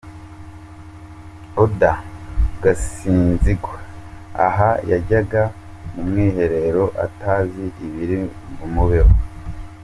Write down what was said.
Oda Gasinzigwa aha yajyaga mu mwiherero atazi ibiri bumubeho